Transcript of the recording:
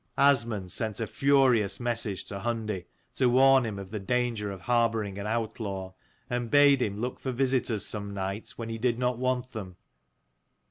Asmund sent a furious message to Hundi to warn him of the danger of harbouring an outlaw : and bade him look for visitors some night when he did not want them.